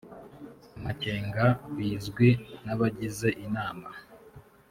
amakenga bizwi n abagize inama